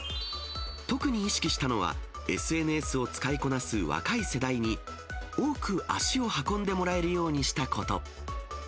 特に意識したのは、ＳＮＳを使いこなす若い世代に、多く足を運んでもらえるようにしたこと。